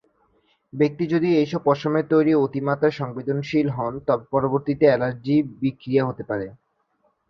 ব্যক্তি যদি এসব পশমের প্রতি অতিমাত্রায় সংবেদনশীল হন তবে পরবর্তীতে এলার্জি বিক্রিয়া হতে পারে।